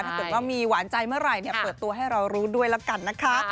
ถ้าเกิดว่ามีหวานใจเมื่อไหร่เปิดตัวให้เรารู้ด้วยแล้วกันนะคะ